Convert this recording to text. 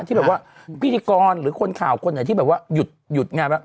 ที่แบบว่าพิธีกรหรือคนข่าวคนไหนที่แบบว่าหยุดงานว่า